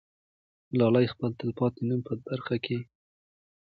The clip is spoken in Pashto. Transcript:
ملالۍ خپل تل پاتې نوم په برخه کړی وو.